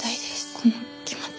この気持ち。